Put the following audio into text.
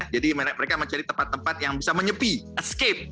jadi mereka mencari tempat tempat yang bisa menyepi escape